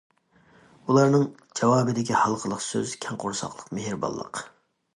ئۇلارنىڭ جاۋابىدىكى ھالقىلىق سۆز‹‹ كەڭ قورساقلىق، مېھرىبانلىق››.